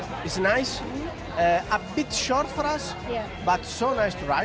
sedikit pendek untuk kita tapi sangat bagus untuk berlari